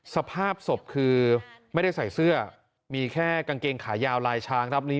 สภาพศพคือไม่ได้ใส่เสื้อมีแค่กางเกงขายาวลายช้างครับนี้